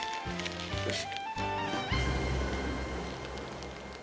よし。